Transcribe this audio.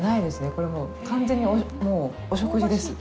これは、もう完全にお食事です。